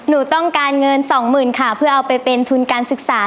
หนูต้องการเงินสองหมื่นค่ะเพื่อเอาไปเป็นทุนการศึกษา